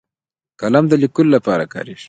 قلم د لیکلو لپاره کارېږي